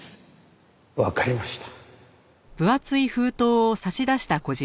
わかりました。